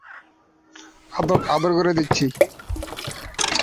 আদর করে দিচ্ছি।